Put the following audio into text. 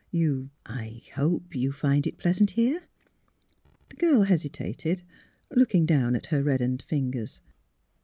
" You — I hope you find it — pleasant here? " The girl hesitated, looking down at her reddened fingers.